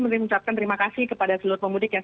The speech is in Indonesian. mungkin ucapkan terima kasih kepada seluruh pemudik yang